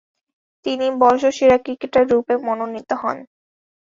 তিনি বর্ষসেরা ক্রিকেটাররূপে মনোনীত হন।